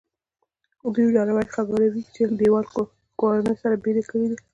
دوی لاروی خبروي چې دیوال کورنۍ سره بېلې کړي دي.